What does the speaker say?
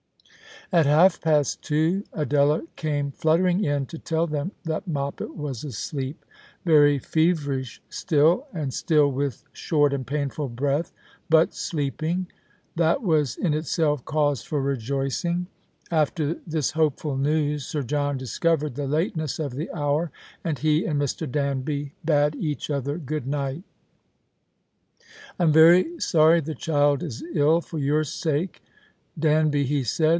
At half past two Adela came fluttering in to tell them that Moppet was asleep ; very feverish still, and still with short and painful breath, but sleeping. That was in itself cause for rejoicing. After this hopeful news Sii" John discovered the The Christmas Hirelings. 203 lateness of the hour, and he and Mr. Danby bade each other good night. " I'm very sorry the chikl is ill, for your sake. Dauby," he said.